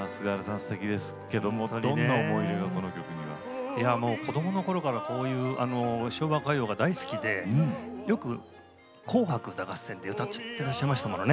すてきですけれど子どものころから昭和歌謡が大好きでよく「紅白歌合戦」で歌っていらっしゃいましたものね。